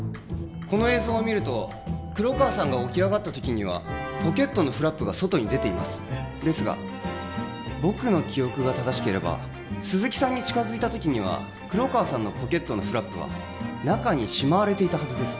この映像を見ると黒川さんが起き上がったときにはポケットのフラップが外に出ていますですが僕の記憶が正しければ鈴木さんに近づいたときには黒川さんのポケットのフラップは中にしまわれていたはずです